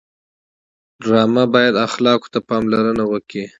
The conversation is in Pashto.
ډرامه باید اخلاقو ته پاملرنه وکړي